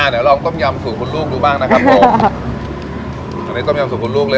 อ่าเดี๋ยวลองต้มยำสุขุนลูกดูบ้างนะครับผมอันนี้ต้มยำสุขุนลูกเลย